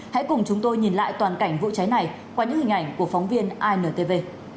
hãy cùng chúng tôi nhìn lại toàn cảnh vụ cháy này qua những hình ảnh của phóng viên intv